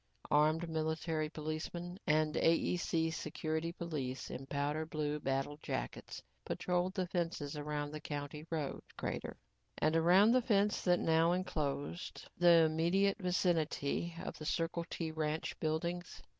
Armed military policemen and AEC security police in powder blue battle jackets, patrolled the fences around the county road crater. And around the fence that now enclosed the immediate vicinity of the Circle T ranch buildings.